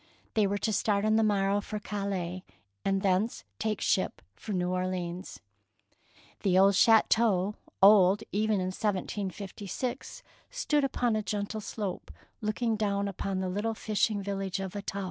They were to start on the morrow for Calais, and thence take ship for New Orleans. The old chateau — old even in 1756 — stood upon a gentle slope looking down upon the little fishing village of Staples.